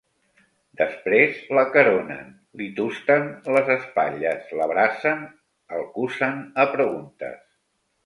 Després l'acaronen, li tusten les espatlles, l'abracen, el cusen a preguntes.